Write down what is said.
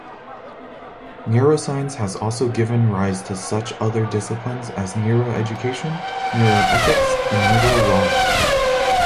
Neuroscience has also given rise to such other disciplines as neuroeducation, neuroethics, and neurolaw.